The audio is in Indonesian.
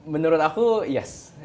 menurut aku yes